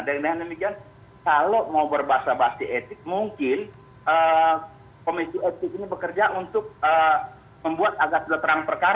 dan dengan demikian kalau mau berbahasa basi etik mungkin komisi etik ini bekerja untuk membuat agak sederhana perkara